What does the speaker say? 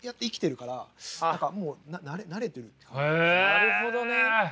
なるほどね。